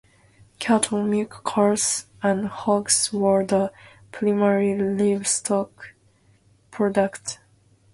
Cattle, milk cows, and hogs were the primary livestock products.